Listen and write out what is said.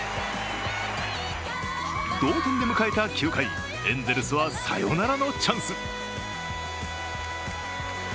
同点で迎えた９回、エンゼルスはサヨナラのチャンス。